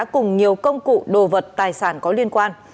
cùng nhiều công cụ đồ vật tài sản có liên quan